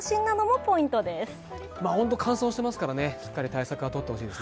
ホント乾燥してますからね、しっかり対策をとってほしいです。